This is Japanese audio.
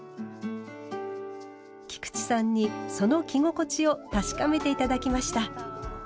菊池さんにその着心地を確かめて頂きました。